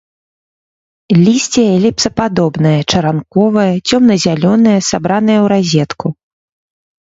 Лісце эліпсападобнае, чаранковае, цёмна-зялёнае, сабранае ў разетку.